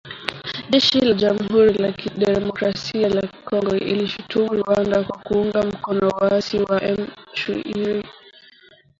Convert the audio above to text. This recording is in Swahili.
Jeshi la jamuhuri ya kidemokrasia ya Kongo linaishutumu Rwanda kwa kuunga mkono waasi wa M ishirini na tatu